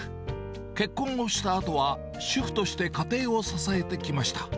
結婚をしたあとは、主婦として家庭を支えてきました。